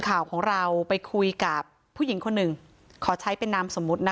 ข่าวของเราไปคุยกับผู้หญิงคนหนึ่งขอใช้เป็นนามสมมุตินะคะ